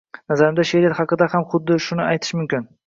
Nazarimda, she`riyat haqida ham xuddi shuni aytish mumkin